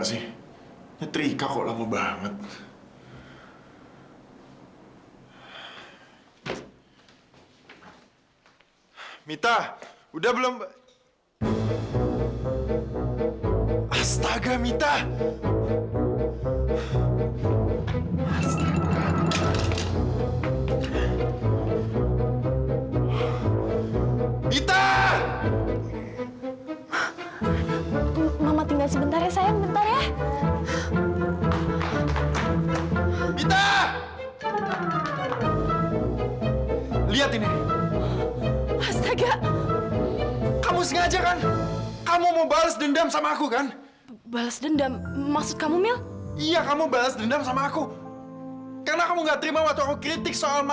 sampai jumpa di video selanjutnya